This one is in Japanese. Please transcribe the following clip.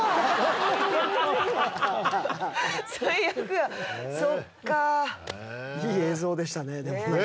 最悪やそっかいい映像でしたねでもねえ